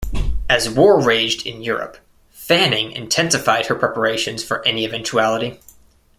As war raged in Europe, "Fanning" intensified her preparations for any eventuality.